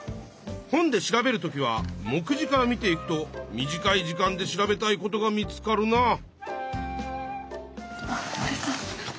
本で調べる時は目次から見ていくと短い時間で調べたいことが見つかるな。